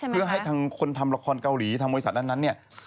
เพื่อให้ทางคนทำละครเกาหลีทางบริษัทนั้นเนี่ย